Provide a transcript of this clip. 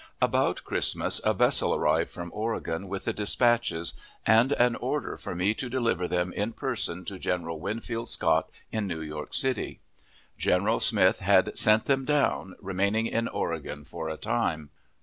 About Christmas a vessel arrived from Oregon with the dispatches, and an order for me to deliver them in person to General Winfield Scott, in New York City. General Smith had sent them down, remaining in Oregon for a time.